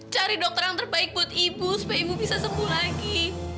cari dokter yang terbaik buat ibu supaya ibu bisa sembuh lagi